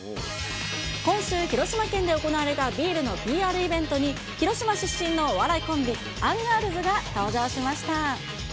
今週、広島県で行われたビールのＰＲイベントに、広島出身のお笑いコンビ、アンガールズが登場しました。